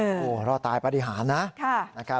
โอ้โหรอดตายปฏิหารนะ